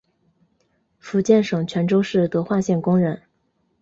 福建省泉州市德化县工人。